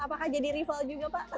apakah jadi rival juga pak